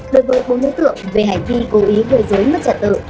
đối với bốn đứa tựa về hành vi cố ý gây dối mất trả tự